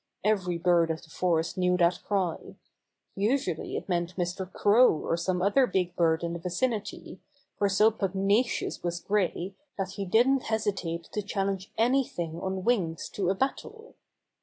Every bird of the forest knew that cry. Usually it meant Mr. Crow or some other big bird in the vicinity, for so pugna The Birds Have a Narrow Escape 77 cious was Gray that he didn't hesitate to chal lenge anything on wings to a battle.